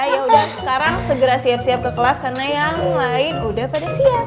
ya udah sekarang segera siap siap ke kelas karena yang lain udah pada siap